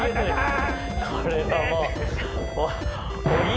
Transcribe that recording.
これはもう。